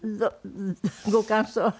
ご感想は？